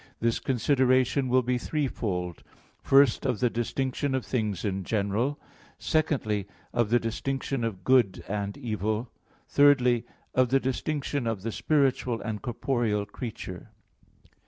This consideration will be threefold first, of the distinction of things in general; secondly, of the distinction of good and evil; thirdly, of the distinction of the spiritual and corporeal creature.